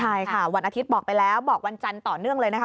ใช่ค่ะวันอาทิตย์บอกไปแล้วบอกวันจันทร์ต่อเนื่องเลยนะคะ